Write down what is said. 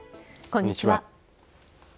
こんにちは。